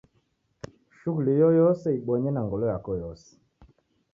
Shughuli iyoyose ibonye na ngolo yako yose.